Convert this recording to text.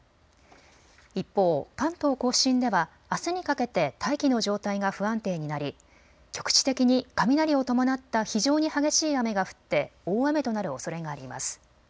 一方、関東甲信ではあすにかけて大気の状態が不安定になり局地的に雷を伴った非常に激しい雨が降って大雨となるおそれがあります。